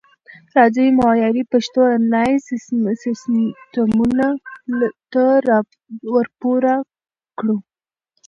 راځئ معیاري پښتو انلاین سیستمونو ته ورپوره کړو